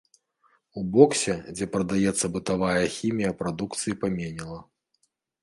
У боксе, дзе прадаецца бытавая хімія прадукцыі паменела.